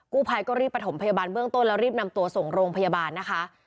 กู้ภัยก็รีบประถมพยาบาลเบื้องต้นแล้วรีบนำตัวส่งโรงพยาบาลนะคะ